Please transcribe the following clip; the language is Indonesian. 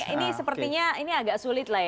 ini sepertinya ini agak sulit lah ya